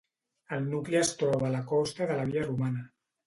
El nucli es troba a costa de la via romana.